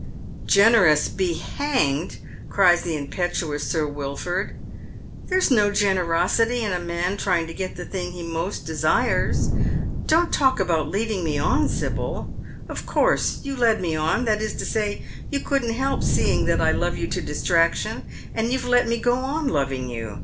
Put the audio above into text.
" Generous be hanged !" cries the impetuous Sir Wil ford. "There's no generosity in a man trying to get the thing he most desires. Don't talk about leading me on, Sibyl. Of course, you led me on — that is to say, you couldn't help seeing that I love you to distraction, and you've let me go on loving you.